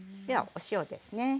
ではお塩ですね。